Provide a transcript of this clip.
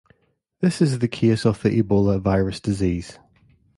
This is the case of the Ebola virus disease.